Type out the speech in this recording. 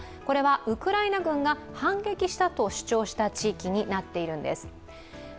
これはウクライナ軍が反撃したと主張した地域になっているんです。